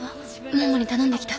ももに頼んできた。